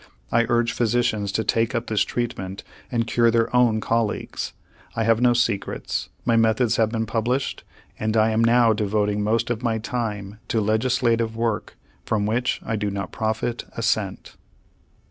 I urge physicians to take up this treatment and cure their own colleagues. I have no secrets. My methods have been published, and I am now devoting most of my time to legislative work from which I do not profit a cent.